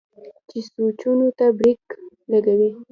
چې سوچونو ته برېک لګوي